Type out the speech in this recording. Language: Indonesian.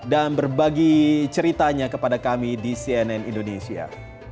dan berbagi ceritanya kepada kami di cnn indonesia